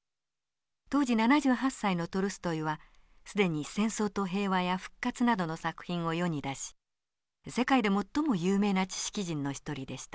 当時７８歳のトルストイは既に「戦争と平和」や「復活」などの作品を世に出し世界で最も有名な知識人の一人でした。